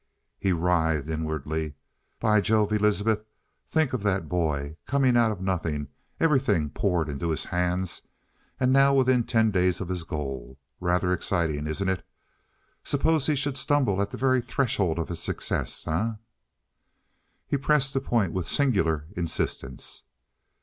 He writhed inwardly. "By Jove, Elizabeth, think of that boy, coming out of nothing, everything poured into his hands and now within ten days of his goal! Rather exciting, isn't it? Suppose he should stumble at the very threshold of his success? Eh?" He pressed the point with singular insistence.